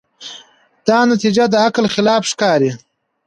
دا نتیجه د عقل خلاف ښکاري.